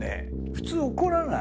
普通怒らない？